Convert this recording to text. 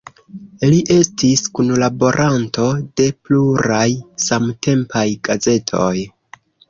Li estis kunlaboranto de pluraj samtempaj gazetoj.